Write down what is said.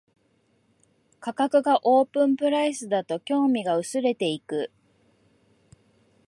価格がオープンプライスだと興味が薄れていく